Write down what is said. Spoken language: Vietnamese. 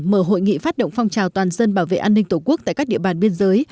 mở hội nghị phát động phong trào toàn dân bảo vệ an ninh tổ quốc tại các địa bàn biên giới